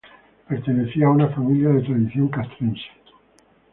Pertenecía a una familia de tradición castrense.